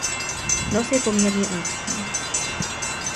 Nos je poměrně úzký.